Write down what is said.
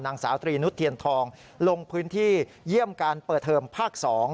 นางสาวตรีนุษเทียนทองลงพื้นที่เยี่ยมการเปิดเทอมภาค๒